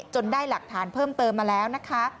ได้หลักฐานเพิ่มเติมมาแล้วนะคะ